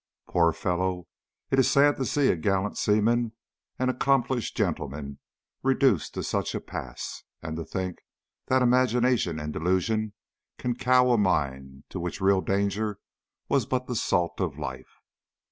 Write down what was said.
Poor fellow, it is sad to see a gallant seaman and accomplished gentleman reduced to such a pass, and to think that imagination and delusion can cow a mind to which real danger was but the salt of life.